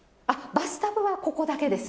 バスタブはここだけです。